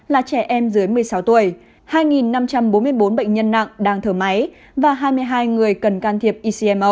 là trẻ em dưới một mươi sáu tuổi hai năm trăm bốn mươi bốn bệnh nhân nặng đang thở máy và hai mươi hai người cần can thiệp ecmo